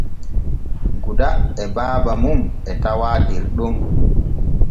Guda e baaba mum e tawaa der ɗon.